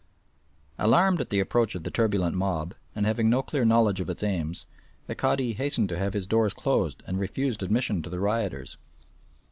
Alarmed at the approach of the turbulent mob, and having no clear knowledge of its aims, the Cadi hastened to have his doors closed and refused admission to the rioters.